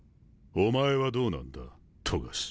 お前はどうなんだ？